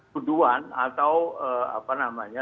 kedua atau apa namanya